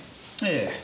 ええ。